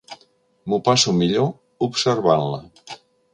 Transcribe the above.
M'ho passo millor observant-la.